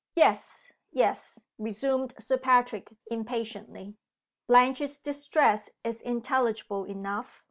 "Yes! yes!" resumed Sir Patrick, impatiently. "Blanche's distress is intelligible enough.